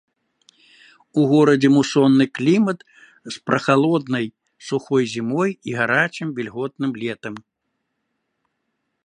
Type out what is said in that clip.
У горадзе мусонны клімат з прахалоднай сухой зімой і гарачым вільготным летам.